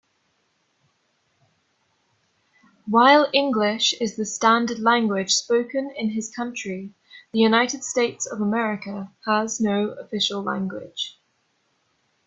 While English is the standard language spoken in his country, the United States of America has no official language.